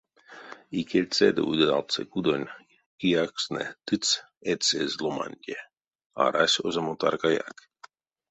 Икельце ды удалце кудонь киякстнэ тыц эцезь ломанде, арась озамо таркаяк.